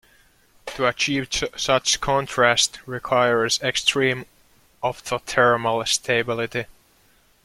To achieve such contrast requires extreme optothermal stability.